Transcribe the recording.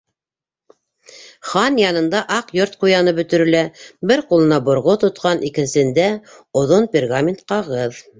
Хан янында Аҡ Йорт ҡуяны бөтөрөлә —бер ҡулына борғо тотҡан, икенсеһендә —оҙон пергамент ҡағыҙ.